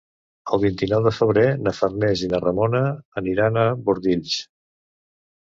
El vint-i-nou de febrer na Farners i na Ramona aniran a Bordils.